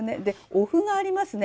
おふがありますね。